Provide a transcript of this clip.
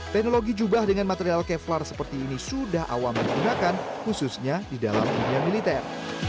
teknologi jubah dengan material kevlar seperti ini sudah awam digunakan khususnya di dalam dunia militer